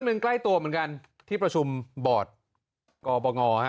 หนึ่งใกล้ตัวเหมือนกันที่ประชุมบอร์ดกบงฮะ